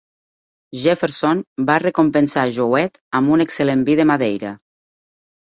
Jefferson va recompensar Jouett amb un excel·lent vi de Madeira.